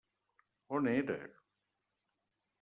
On era?